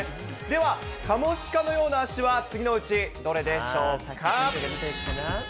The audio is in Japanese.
では、カモシカのような足は次のうち、どれでしょうか。